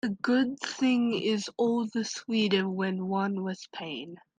A good thing is all the sweeter when won with pain.